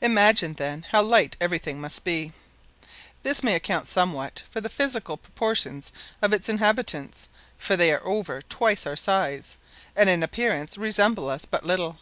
Imagine, then, how light everything must be. This may account somewhat for the physical proportions of its inhabitants, for they are over twice our size, and in appearance resemble us but little.